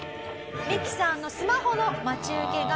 ミキさんのスマホの待ち受け画面